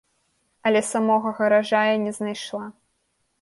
Але самога гаража я не знайшла.